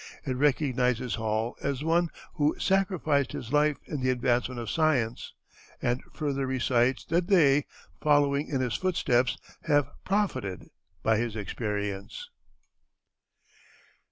It recognizes Hall as one "who sacrificed his life in the advancement of science," and further recites that they, "following in his footsteps, have profited by his experience."